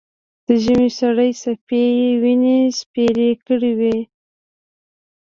د ژمي سړې څپې یې ونې سپېرې کړې وې.